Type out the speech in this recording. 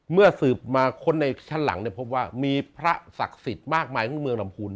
เมื่อสืบมาค้นในชั้นหลังพบว่ามีพระศักดิ์สิทธิ์มากมายของเมืองลำพูน